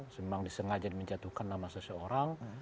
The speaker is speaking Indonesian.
memang disengaja menjatuhkan sama seseorang